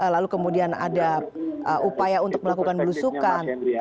lalu kemudian ada upaya untuk melakukan belusukan